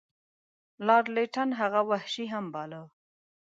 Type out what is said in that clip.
لارډ لیټن هغه وحشي هم باله.